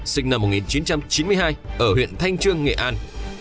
sinh năm một nghìn chín trăm chín mươi hai ở huyện thanh trương nghệ an